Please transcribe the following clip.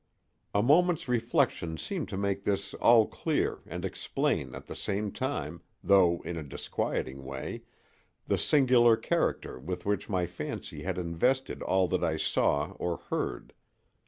A moment's reflection seemed to make this all clear and explain at the same time, though in a disquieting way, the singular character with which my fancy had invested all that I saw or heard.